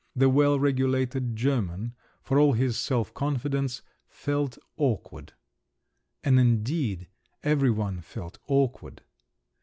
The well regulated German, for all his self confidence, felt awkward. And indeed every one felt awkward.